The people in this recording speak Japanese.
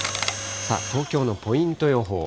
東京のポイント予報。